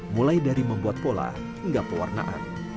mulai dari membuat pola hingga pewarnaan